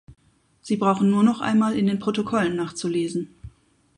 Sie brauchen nur noch einmal in den Protokollen nachzulesen.